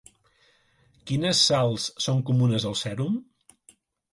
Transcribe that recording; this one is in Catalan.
Quines sals són comunes al sèrum?